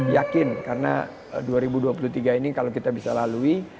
yakin karena dua ribu dua puluh tiga ini kalau kita bisa lalui